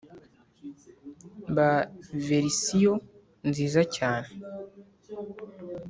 ba verisiyo nziza yawe.